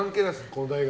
この大学